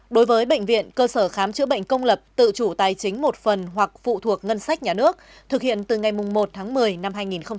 đối với bệnh viện cơ sở khám chữa bệnh công lập tự chủ tài chính một phần hoặc phụ thuộc ngân sách nhà nước thực hiện từ ngày một tháng một mươi năm hai nghìn một mươi chín